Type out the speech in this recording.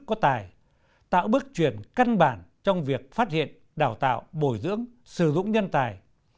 có tài tạo bước chuyển căn bản trong việc phát hiện đào tạo bồi dưỡng sử dụng nhân tài